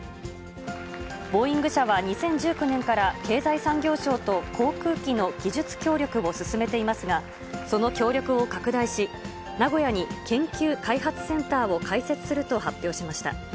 ボーイング社は２０１９年から経済産業省と航空機の技術協力を進めていますが、その協力を拡大し、名古屋に研究開発センターを開設すると発表しました。